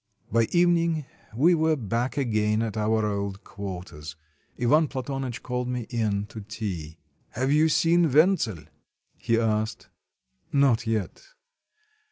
By evening we were back again at our old quarters. Ivan Platonych called me in to tea. "Have you seen Wentzel?" he asked. "Not yet."